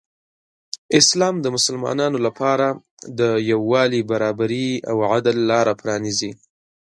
اسلام د مسلمانانو لپاره د یو والي، برابري او عدل لاره پرانیزي.